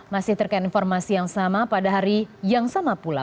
masih terkait informasi yang sama pada hari yang sama pula